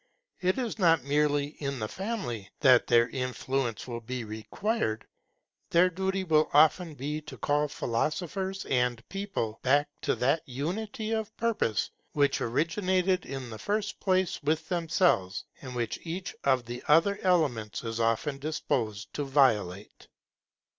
It is not merely in the Family that their influence will be required. Their duty will often be to call philosophers and people back to that unity of purpose which originated in the first place with themselves, and which each of the other elements is often disposed to violate.